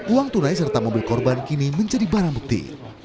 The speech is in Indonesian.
uang tunai serta mobil korban kini menjadi barang bukti